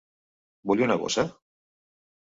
Vull una bossa?